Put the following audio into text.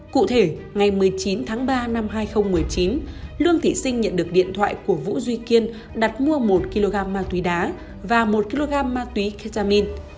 cụ thể ngày một mươi chín tháng ba năm hai nghìn một mươi chín lương thị sinh nhận được điện thoại của vũ duy kiên đặt mua một kg ma túy đá và một kg ma túy ketamine